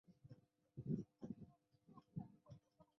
但当时并没发现死亡的鸟类。